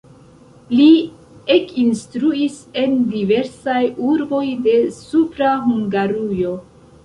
Li ekinstruis en diversaj urboj de Supra Hungarujo.